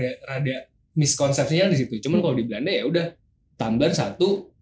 iya makanya itu dia itu yang miskonsepsinya disitu cuma kalau di belanda ya udah tumbler satu